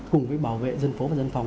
cùng với bảo vệ dân phố và dân phòng